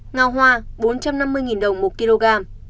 nga hoa bốn trăm năm mươi đồng một kg